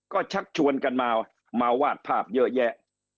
ก็ชักชวนกันมามาวาดภาพเยอะแยะ